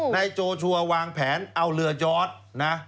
นายโจชัวร์วางแผนเอาเรือยอดนะ